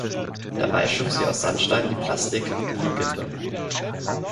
Dabei schuf sie aus Sandstein die Plastik "Liegende".